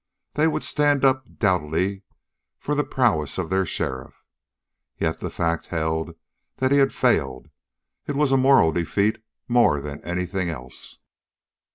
They would stand up doughtily for the prowess of their sheriff. Yet the fact held that he had failed. It was a moral defeat more than anything else.